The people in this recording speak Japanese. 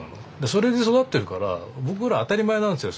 それで育ってるから僕ら当たり前なんですよ